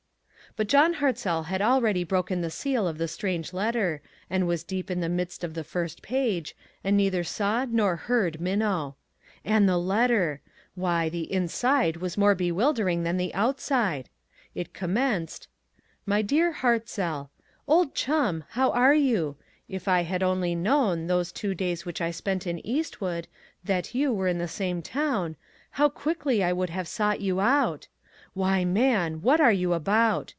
But John Ilartzell had already broken the seal of the strange letter, and was deep in the midst of the first page, and neither saw nor heard Minnow. And the letter ! Why, the inside was more bewildering than the outside. It commenced : MY DEAR IlAirrzF.i,L: Old chum, how are you ? If I had only known, those two days which I spent in Eastwood, that you 236 ONE COMMONPLACE DAY. were in the same town, how quickly I would have sought you out. Why, man, what were you about!